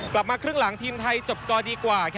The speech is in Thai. กลับมาครึ่งหลังทีมไทยจบสกอร์ดีกว่า